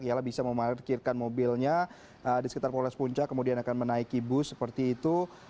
ialah bisa memarkirkan mobilnya di sekitar polres puncak kemudian akan menaiki bus seperti itu